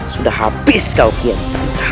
sudah habis kau kian saya